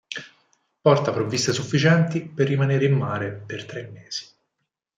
Porta provviste sufficienti per rimanere in mare per tre mesi.